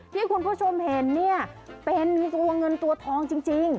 ที่คุณผู้ชมเห็นเนี่ยเป็นตัวเงินตัวทองจริง